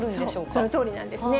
そのとおりなんですね。